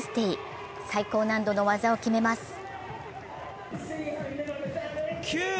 最高難度の技を決めます。